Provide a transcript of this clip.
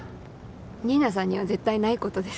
新名さんには絶対ないことです。